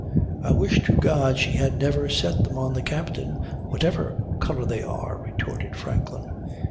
"I wish to God she had never set them on the captain, whatever colour they are," retorted Franklin.